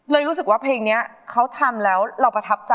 รู้สึกว่าเพลงนี้เขาทำแล้วเราประทับใจ